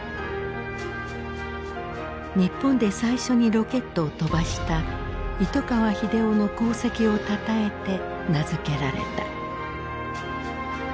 日本で最初にロケットを飛ばした糸川英夫の功績をたたえて名付けられた。